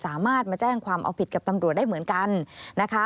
สามารถมาแจ้งความเอาผิดกับตำรวจได้เหมือนกันนะคะ